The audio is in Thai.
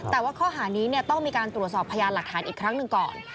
แต่ว่าข้อหานี้ต้องมีการตรวจสอบพยานหลักฐานอีกครั้งหนึ่งก่อน